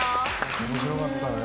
面白かったね。